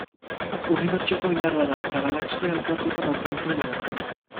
Unibertsoko indarra da, eta galaxia elkartuta mantentzen duena.